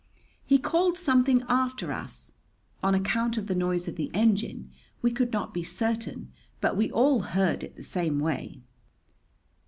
He called something after us. On account of the noise of the engine, we could not be certain, but we all heard it the same way.